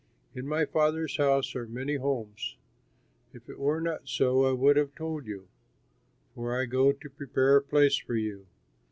In my Father's house are many homes; if it were not so, I would have told you, for I go to prepare a place for you.